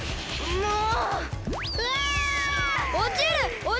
もう！